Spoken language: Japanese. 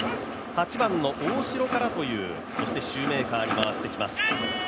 ８番の大城からという、そしてシューメーカーに回ってきます。